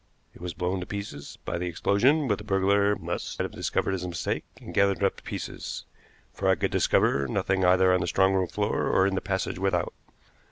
It was blown to pieces by the explosion, but the burglar must have discovered his mistake, and gathered up the pieces, for I could discover nothing either on the strong room floor or in the passage without.